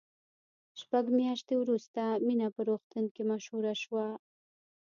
شپږ میاشتې وروسته مینه په روغتون کې مشهوره شوه